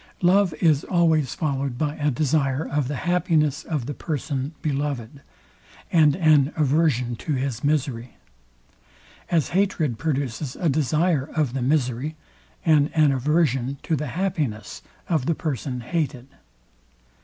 Love is always followed by a desire of the happiness of the person beloved, and an aversion to his misery: As hatred produces a desire of the misery and an aversion to the happiness of the person hated.